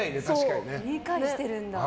理解してるんだ。